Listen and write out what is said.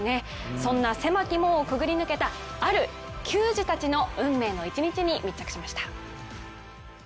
そんな狭き門をくぐり抜けた、ある球児たちの運命の一日に密着しました。